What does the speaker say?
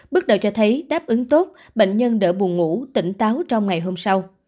bước đầu cho thấy đáp ứng tốt bệnh nhân đỡ buồn ngủ tỉnh táo trong ngày hôm sau